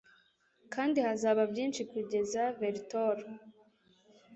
kandi hazaba byinshi kugeza veltro